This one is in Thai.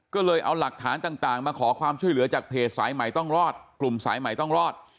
ก็เลยเอาหลักฐานต่างมาขอความช่วยเหลือจากเพจสายใหม่ต้องรอด